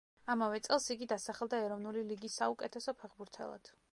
ამავე წელს იგი დასახელდა ეროვნული ლიგის საუკეთესო ფეხბურთელად.